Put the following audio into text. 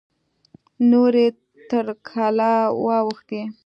نورې تر کلا واوښتې.